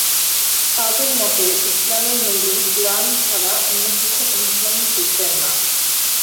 তাদের মতে, ইসলামের নবী কুরআন ছাড়া অন্য কিছু অনুসরণ করতেন না।